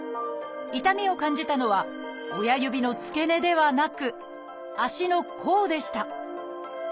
痛みを感じたのは親指の付け根ではなく足の甲でした。